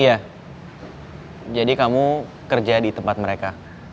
iya jadi kamu kerja di tempat mereka